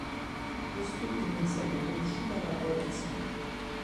Quest'ultima, in seguito, uscì dalla coalizione.